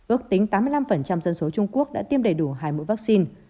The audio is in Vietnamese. ước tính tám mươi năm dân số trung quốc đã tiêm đầy đủ hai mũi vaccine